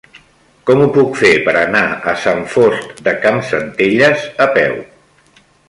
Com ho puc fer per anar a Sant Fost de Campsentelles a peu?